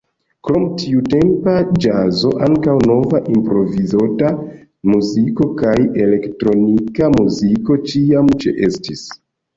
Krom tiutempa ĵazo ankaŭ nova improvizota muziko kaj elektronika muziko ĉiam ĉeestis.